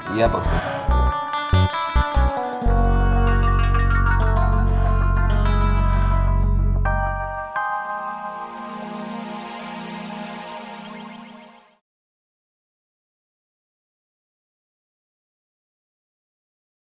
iya pak ustadz